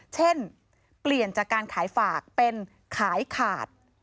เช่นเปลี่ยนจากการขายฝากเป็นขายขาด